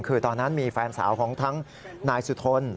คือตอนนั้นมีแฟนสาวของทั้งนายสุทน